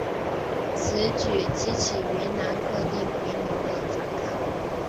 此举激起云南各地回民的反抗。